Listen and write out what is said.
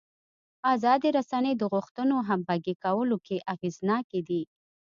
ازادې رسنۍ د غوښتنو همغږي کولو کې اغېزناکې دي.